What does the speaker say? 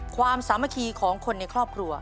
สามัคคีของคนในครอบครัว